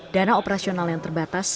dana operasional yang terbatas